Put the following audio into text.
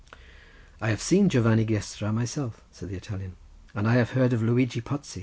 "I have seen Giovanni Gestra myself," said the Italian, "and I have heard of Luigi Pozzi.